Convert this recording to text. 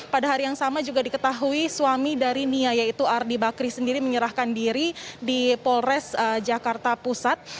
pada hari yang sama juga diketahui suami dari nia yaitu ardi bakri sendiri menyerahkan diri di polres jakarta pusat